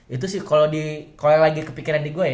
itu sih kalau yang lagi kepikiran di gue ya